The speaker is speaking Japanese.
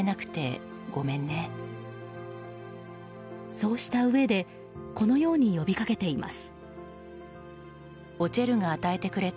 そうしたうえでこのように呼びかけています。